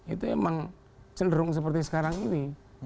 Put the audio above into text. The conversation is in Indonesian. itu emang cenderung seperti sekarang ini